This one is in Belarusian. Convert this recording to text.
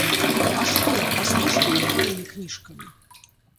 А што я, пастушка над тваімі кніжкамі?